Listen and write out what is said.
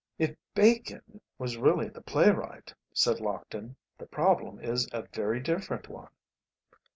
"If Bacon was really the playwright," said Lockton, "the problem is a very different one."